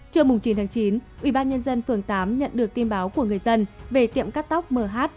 trưa chín chín ủy ban nhân dân phường tám nhận được tin báo của người dân về tiệm cắt tóc mh